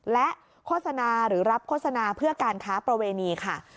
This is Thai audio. และโฆษณาหรือรับโฆษณาเพื่อการค้าประเวณีค่ะ